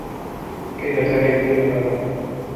كيف تعرفين هذا؟